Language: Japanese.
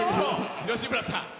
吉村さん。